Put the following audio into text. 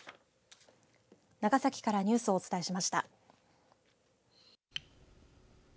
長崎からニュースをお伝えしました。